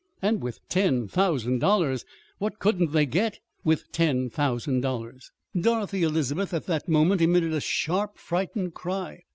And with ten thousand dollars! What couldn't they get with ten thousand dollars? Dorothy Elizabeth, at that moment, emitted a sharp, frightened cry.